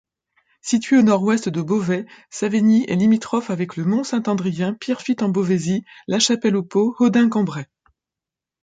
Située au nord-ouest de Beauvais, Savignies est limitrophe avec Le Mont-Saint-Adrien, Pierrefitte-en-Beauvaisis, Lachapelle-aux-Pots, Hodenc-en-Bray.